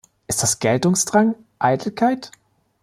Ist das Geltungsdrang, Eitelkeit?